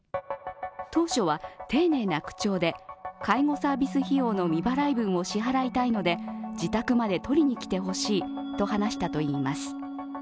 当初は、丁寧な口調で介護サービス費用の未払い分を支払いたいので自宅まで取りに来てほしいと話したといいます。